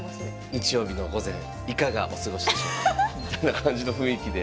日曜日の午前いかがお過ごしでしょうかみたいな感じの雰囲気で。